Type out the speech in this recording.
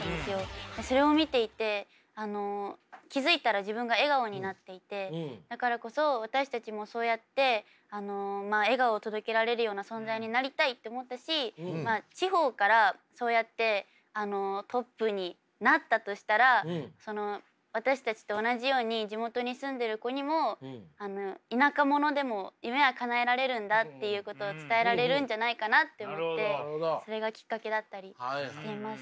それを見ていて気付いたら自分が笑顔になっていてだからこそ私たちもそうやって笑顔を届けられるような存在になりたいって思ったし地方からそうやってトップになったとしたら私たちと同じように地元に住んでる子にも田舎者でも夢はかなえられるんだっていうことを伝えられるんじゃないかなって思ってそれがきっかけだったりしています。